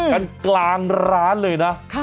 กันกลางร้านเลยนะ